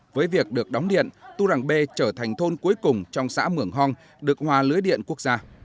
sau lúc lúc được đóng điện tu rằng b trở thành thôn cuối cùng trong xã mưởng hong được hòa lưới điện quốc gia